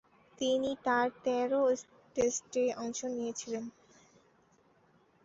তিনি তার তেরো টেস্টে অংশ নিয়েছিলেন।